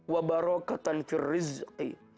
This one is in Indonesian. wa barokatan fil rizqi